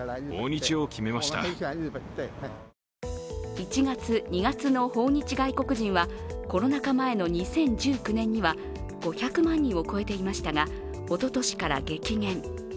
１月、２月の訪日外国人はコロナ禍前の２０１９年には５００万人を超えていましたが、おととしから激減。